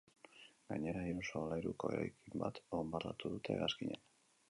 Gainera, hiru solairuko eraikin bat bonbardatu dute hegazkinek.